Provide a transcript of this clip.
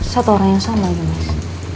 satu orang yang sama mas